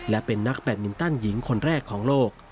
และเป็นนักแบตมินตันหญิงคนแรกของโลก